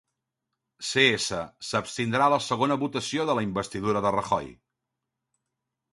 Cs s'abstindrà a la segona votació de la investidura de Rajoy.